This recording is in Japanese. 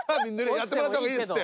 やってもらった方がいいですって。